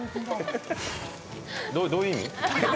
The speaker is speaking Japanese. どういう意味？